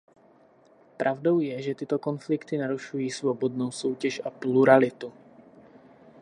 Pravdou je, že tyto konflikty narušují svobodnou soutěž a pluralitu.